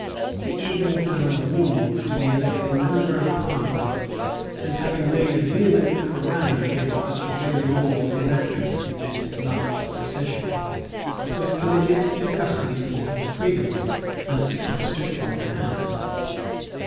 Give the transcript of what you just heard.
He even found means to be elected member of parliament: and having made a vehement harangue against the severe laws enacted this last session, was committed to custody for his freedom, and sequestered from the house.